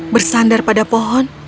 bersandar pada pohon